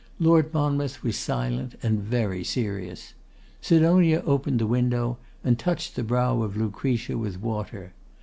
Lord Monmouth was silent and very serious. Sidonia opened the window, and touched the brow of Lucretia with water.